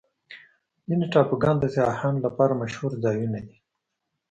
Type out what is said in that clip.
ځینې ټاپوګان د سیاحانو لپاره مشهوره ځایونه دي.